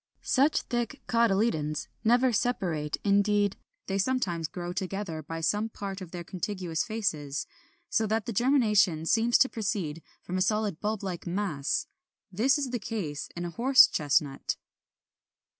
] 29. Such thick cotyledons never separate; indeed, they sometimes grow together by some part of their contiguous faces; so that the germination seems to proceed from a solid bulb like mass. This is the case in a horse chestnut.